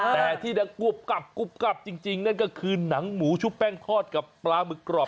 แต่ที่กรวบกลับจริงนั่นก็คือหนังหมูชุบแป้งทอดกับปลามึกกรอบ